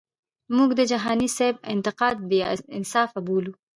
مونږ د جهانی سیب انتقاد بی انصافه بولو.